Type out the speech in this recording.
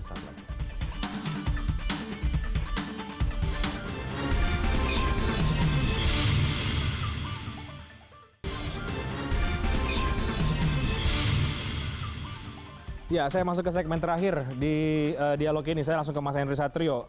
saya masuk ke segmen terakhir di dialog ini saya langsung ke mas henry satrio